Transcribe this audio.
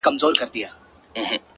په سپورږمۍ كي ستا تصوير دى؛